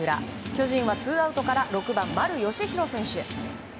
巨人はツーアウトから６番、丸佳浩選手。